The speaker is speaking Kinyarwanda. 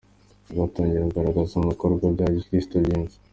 Atangira kugaragara mu bikorwa bya gikristu byinshi.